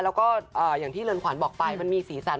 แล้วก็อย่างที่เรือนขวัญบอกไปมันมีสีสัน